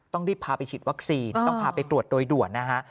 ต้องรีบพาไปฉีดวัคซีนต้องพาไปตรวจโดยด่วนนะฮะ